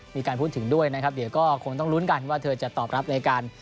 มีการพูดถึงด้วยนะครับเดี๋ยวก็คงต้องลุ้นกันว่าเธอจะตอบรับในการ